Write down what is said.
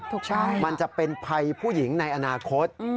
ถูกต้องมันจะเป็นภัยผู้หญิงในอนาคต